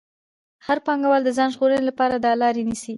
هر پانګوال د ځان ژغورنې لپاره دا لار نیسي